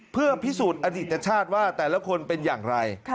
เพื่อพิสูจน์อดิตชาติว่าแต่ละคนเป็นอย่างไร